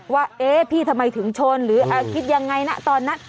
ว่าเอ๊ะพี่ทำไมถึงชนหรือคิดยังไงนะตอนนั้น